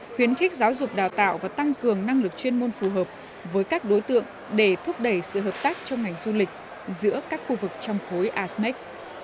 khuyến khích giáo dục đào tạo và tăng cường năng lực chuyên môn phù hợp với các đối tượng để thúc đẩy sự hợp tác trong ngành du lịch giữa các khu vực trong khối asmec